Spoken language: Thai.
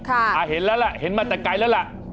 อ่าเห็นแล้วล่ะเห็นมาแต่ไกลแล้วล่ะ